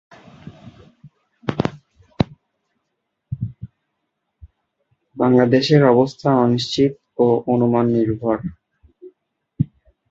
বাংলাদেশে এর অবস্থান অনিশ্চিত ও অনুমান নির্ভর।